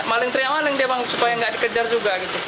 maling dia bangun supaya gak dikejar juga